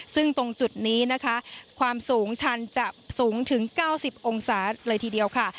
ซึ่งตรงจุดนี้นะคะความสูงชันจะสูงถึง๙๐องศาเลยทีเดียวค่ะ